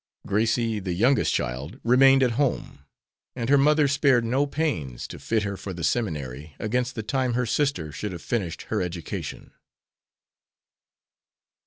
Gracie, the youngest child, remained at home, and her mother spared no pains to fit her for the seminary against the time her sister should have finished her education.